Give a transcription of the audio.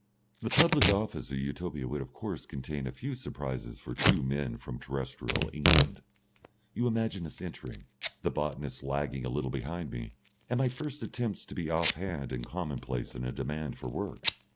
The public office of Utopia would of course contain a few surprises for two men from terrestrial England. You imagine us entering, the botanist lagging a little behind me, and my first attempts to be offhand and commonplace in a demand for work.